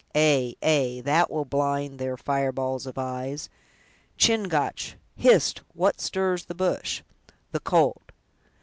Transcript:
Ay, ay, that will blind their fireballs of eyes! Chingach—Hist! what stirs the bush?" "The colt."